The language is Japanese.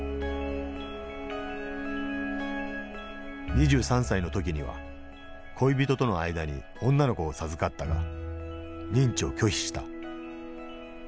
２３歳の時には恋人との間に女の子を授かったが認知を拒否した。